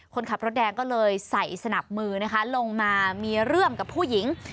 คนขับรถแดงก็เลยใส่สนับมือนะคะลงมามีเรื่องกับผู้หญิง